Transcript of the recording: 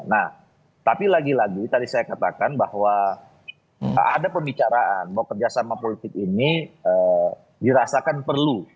nah tapi lagi lagi tadi saya katakan bahwa ada pembicaraan bahwa kerjasama politik ini dirasakan perlu